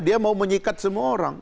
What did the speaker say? dia mau menyikat semua orang